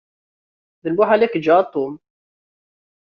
D lmuḥal ad k-ǧǧeɣ a Tom.